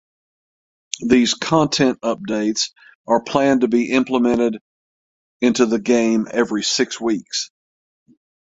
These content updates are planned to be implemented into the game every six weeks.